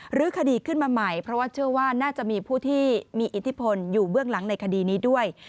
หรือคดีขึ้นมาใหม่เพราะว่าเชื่อว่าน่าจะมีผู้ที่มีอิทธิพลอยู่เบื้องหลังในคดีนี้ด้วย